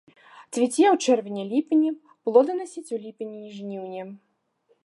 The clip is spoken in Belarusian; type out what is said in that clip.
Цвіце ў чэрвені-ліпені, плоданасіць у ліпені і жніўні.